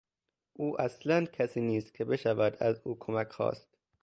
او اصلا کسی نیست که بشود از او کمک خواست.